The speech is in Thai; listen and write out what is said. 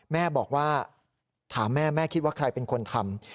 แม่บอกว่าถามแม่แม่คิดว่าใครเป็นคนทำ